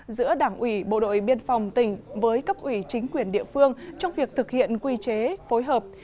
giữa đảng ủy bộ đội biên phòng tỉnh với cấp ủy chính quyền địa phương trong việc thực hiện quy chế phối hợp